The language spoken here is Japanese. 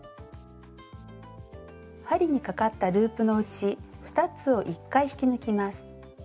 針にかかったループのうち２つを１回引き抜きます。